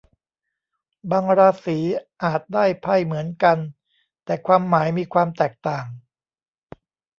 บางราศีอาจได้ไพ่เหมือนกัน แต่ความหมายมีความแตกต่าง